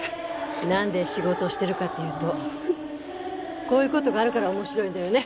何で仕事をしてるかというとこういうことがあるから面白いのよね